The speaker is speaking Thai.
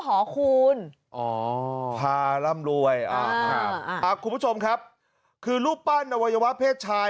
หอคูณอ๋อพาร่ำรวยอ่าครับคุณผู้ชมครับคือรูปปั้นอวัยวะเพศชาย